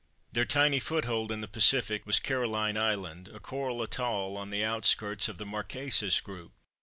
Their tiny foothold in the Pacific was Caroline Island, a coral atoll on the outskirts of the Marquesas group."